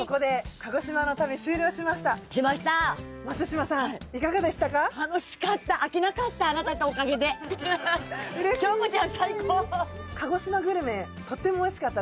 鹿児島グルメとってもおいしかったです。